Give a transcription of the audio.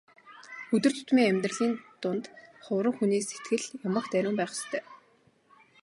Өдөр тутмын амьдралын дунд хувраг хүний сэтгэл ямагт ариун байх ёстой.